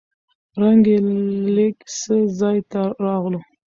رنګ يې لېږ څه ځاى ته راغلو.